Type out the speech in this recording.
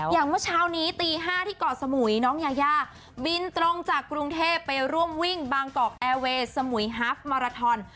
เมื่อเช้านี้ตี๕ที่เกาะสมุยน้องยายาบินตรงจากกรุงเทพไปร่วมวิ่งบางกอกแอร์เวย์สมุยฮาฟมาราทอน